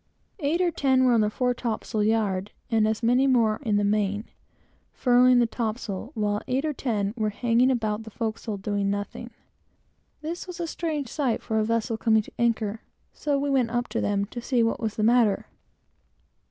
Eight or ten were on the fore topsail yard, and as many more in the main, furling the topsails, while eight or ten were hanging about the forecastle, doing nothing. This was a strange sight for a vessel coming to anchor; so we went up to them, to see what was the matter.